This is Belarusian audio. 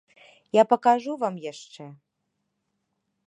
Я пакажу вам яшчэ!